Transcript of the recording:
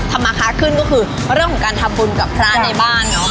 มาค้าขึ้นก็คือเรื่องของการทำบุญกับพระในบ้านเนาะ